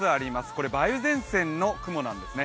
これ梅雨前線の雲なんですね。